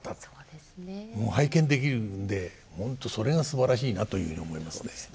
もう拝見できるんで本当それがすばらしいなというふうに思いますね。